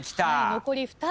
残り２人。